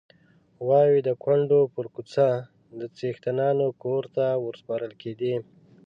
غواوې د کونډو پر کوڅه د څښتنانو کور ته ورسپارل کېدې.